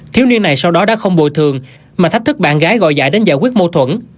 thiếu niên này sau đó đã không bồi thường mà thách thức bạn gái gọi giải đến giải quyết mâu thuẫn